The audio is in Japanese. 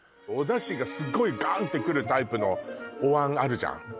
おダシがすごいガーンってくるタイプのおわんあるじゃん？